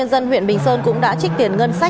ubnd huyện bình sơn cũng đã trích tiền ngân sản